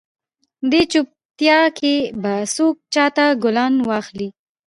دې چوپیتا کې به څوک چاته ګلان واخلي؟